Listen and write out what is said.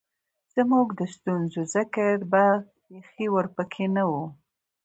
زمونږ د ستونزو ذکــــــر به بېخي ورپکښې نۀ وۀ